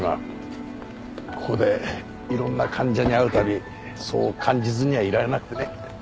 ここでいろんな患者に会うたびそう感じずにはいられなくてね。